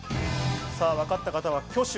わかった方は挙手。